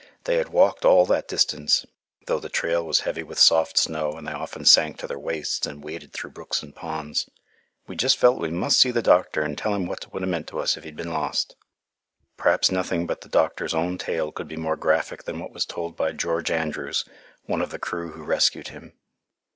They had walked all that distance, though the trail was heavy with soft snow and they often sank to their waists and waded through brooks and ponds. 'We just felt we must see the doctor and tell him what 't would 'a' meant to us, if he'd been lost.' Perhaps nothing but the doctor's own tale could be more graphic than what was told by George Andrews, one of the crew who rescued him."